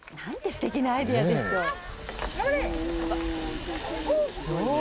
すてきなアイデアでしょう。